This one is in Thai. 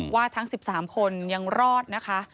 ว่าทั้ง๑๓คนยังรอดนะคะ